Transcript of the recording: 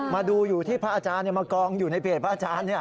มาดูอยู่ที่พระอาจารย์มากองอยู่ในเพจพระอาจารย์